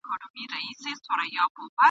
يوسف عليه السلام پر يعقوب عليه السلام ګران دی.